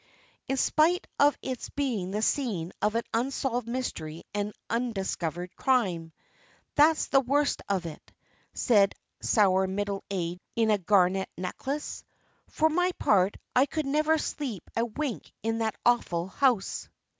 "In spite of its being the scene of an unsolved mystery and undiscovered crime. That's the worst of it," said sour middle age in a garnet necklace. "For my part, I could never sleep a wink in that awful house."